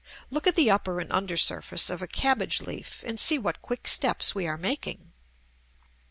Look at the upper and under surface of a cabbage leaf, and see what quick steps we are making.